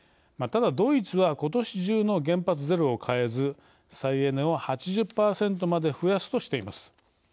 ただ、ドイツはことし中の原発ゼロを変えず再エネを８０％まで増やすとしています。